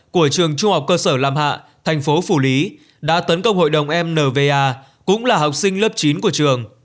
của trường trung học cơ sở lam hạ thành phố phủ lý đã tấn công hội đồng mva cũng là học sinh lớp chín của trường